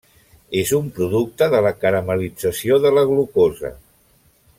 És un producte de la caramel·lització de la glucosa.